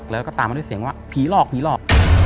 แล้วก็ตามมาด้วยเสียงว่าพีชหลอก